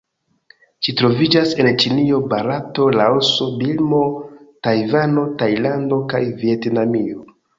Ĝi troviĝas en Ĉinio, Barato, Laoso, Birmo, Tajvano, Tajlando kaj Vjetnamio.